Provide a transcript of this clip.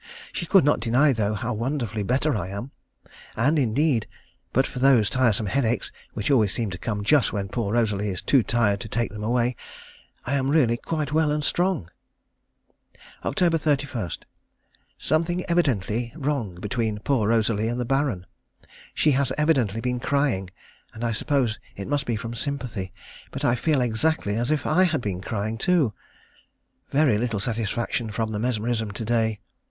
She could not deny, though, how wonderfully better I am, and indeed, but for those tiresome headaches, which always seem to come just when poor Rosalie is too tired to take them away, I am really quite well and strong. Oct. 31. Something evidently wrong between poor Rosalie and the Baron. She has evidently been crying, and I suppose it must be from sympathy, but I feel exactly as if I had been crying too. Very little satisfaction from the mesmerism to day.